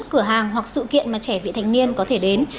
cửa hàng hoặc sự kiện mà trẻ vị thành niên có thể đến